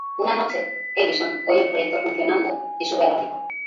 Una noche, Ellison oye el proyector funcionando y sube al ático.